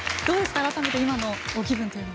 改めて今のご気分は。